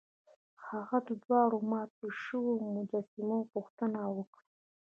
هغه د دواړو ماتو شویو مجسمو پوښتنه وکړه.